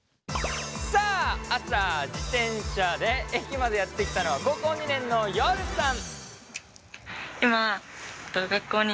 さあ朝自転車で駅までやって来たのは高校２年のヨルさん。